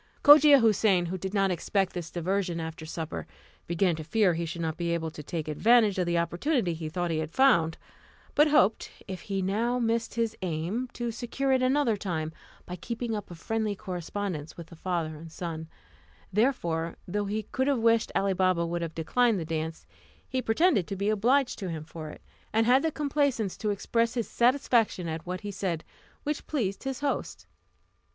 Cogia Houssain, who did not expect this diversion after supper, began to fear he should not be able to take advantage of the opportunity he thought he had found; but hoped, if he now missed his aim, to secure it another time, by keeping up a friendly correspondence with the father and son; therefore, though he could have wished Ali Baba would have declined the dance, he pretended to be obliged to him for it, and had the complaisance to express his satisfaction at what he said, which pleased his host.